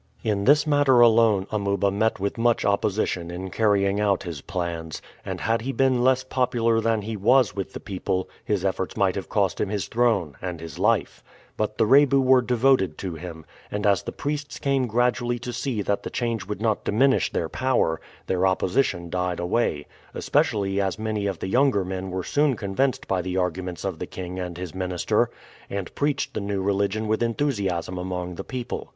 In this matter alone Amuba met with much opposition in carrying out his plans, and had he been less popular than he was with the people his efforts might have cost him his throne and his life: but the Rebu were devoted to him, and as the priests came gradually to see that the change would not diminish their power, their opposition died away, especially as many of the younger men were soon convinced by the arguments of the king and his minister, and preached the new religion with enthusiasm among the people.